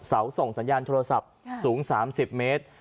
ส่งสัญญาณโทรศัพท์สูง๓๐เมตร